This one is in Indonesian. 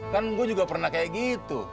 kan gue juga pernah kayak gitu